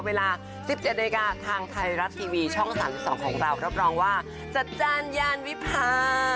วันนี้นะคะเวลา๑๗นาทีทางไทยรัสทีวีช่อง๓๒ของเรารับรองว่าจัดจานยานวิภา